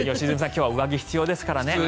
今日は上着必要ですからね。